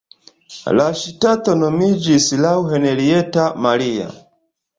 La ŝtato nomiĝis laŭ Henrietta Maria.